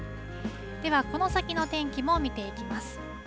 ではこの先の天気も見ていきます。